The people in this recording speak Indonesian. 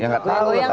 ya gak tahu lah